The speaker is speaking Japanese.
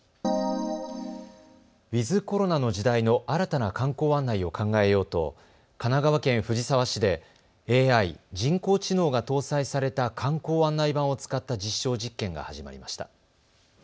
ウィズコロナの時代の新たな観光案内を考えようと神奈川県藤沢市でＡＩ・人工知能が搭載された観光案内板を使った実証実験が始まりました。